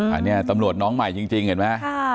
อันนี้ตำรวจน้องใหม่จริงเห็นไหม